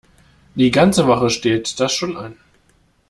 Die ganze Woche steht das schon an.